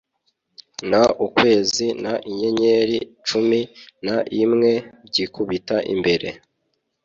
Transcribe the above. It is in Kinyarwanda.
n ukwezi n inyenyeri cumi n imwe byikubita imbere